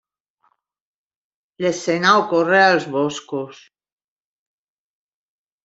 L'escena ocorre als boscos.